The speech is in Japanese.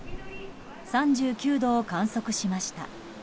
３９度を観測しました。